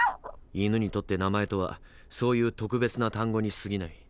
犬にとって名前とはそういう「特別な単語」にすぎない。